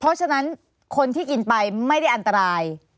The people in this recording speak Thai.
เพราะฉะนั้นคนที่กินไปไม่ได้อันตราย